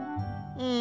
うん。